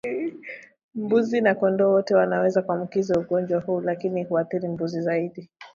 Mbuzi na kondoo wote wanaweza kuambukizwa ugonjwa huu lakini huathiri mbuzi zaidi